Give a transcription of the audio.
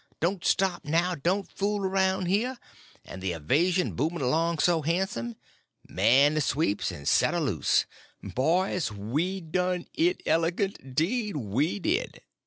Don't stop now; don't fool around here, and the evasion booming along so handsome; man the sweeps, and set her loose! Boys, we done it elegant!—'deed we did.